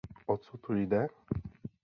O co tu jde?